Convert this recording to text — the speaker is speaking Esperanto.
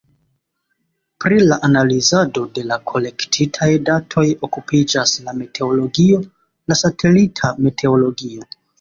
Pri la analizado de la kolektitaj datoj okupiĝas la meteologio, la satelita meteologio.